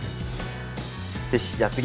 よしじゃあ次。